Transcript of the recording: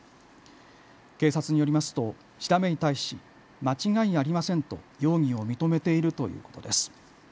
警察によりますと調べに対し間違いありませんと容疑を認めているということです。